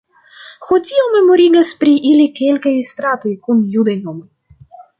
Hodiaŭ memorigas pri ili kelkaj stratoj kun judaj nomoj.